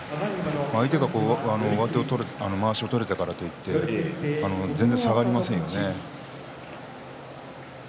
相手がまわしを取れたからといって全然、下がりませんよね。